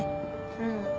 うん。